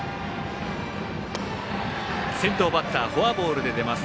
先頭バッターフォアボールで出ます。